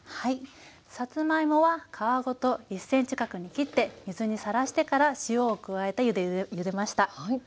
さつまいもは皮ごと１ｃｍ角に切って水にさらしてから塩を加えた湯でゆでました。